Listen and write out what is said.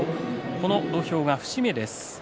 この土俵が節目です。